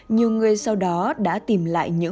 nhiều người sau đó đã tìm lại nữ ca sĩ phi nhung